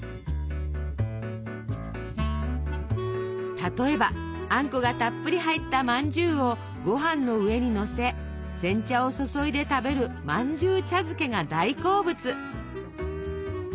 例えばあんこがたっぷり入ったまんじゅうをご飯の上にのせ煎茶を注いで食べる「まんじゅう茶漬け」が大好物。